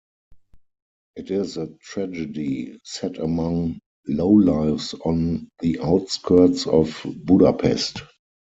It is a tragedy, set among low-lifes on the outskirts of Budapest.